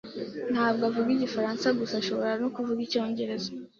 Ntabwo avuga igifaransa gusa, ashobora no kuvuga icyongereza.